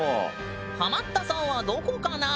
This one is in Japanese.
ハマったさんはどこかな！